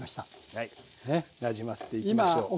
はいなじませていきましょう。